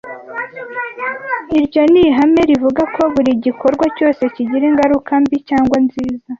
Iryo ni ihame rivuga ko buri gikorwa cyose kigira ingaruka mbi cyangwa nziza